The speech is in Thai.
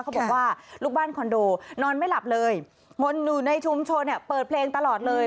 บอกว่าลูกบ้านคอนโดนไม่หลับเลยคนอยู่ในชุมชนเนี่ยเปิดเพลงตลอดเลย